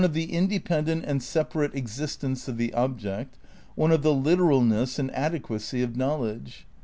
124 THE NEW IDEALISM m independent and separate existence of the object; one of the "literalness and adequacy" of knowledge.